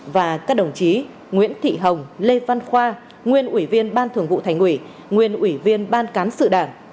và các đồng chí nguyễn thị hồng lê văn khoa nguyên ủy viên ban thường vụ thành ủy nguyên ủy viên ban cán sự đảng